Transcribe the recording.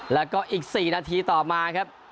แล้วก็อีก๔นาทีต่อมาครับ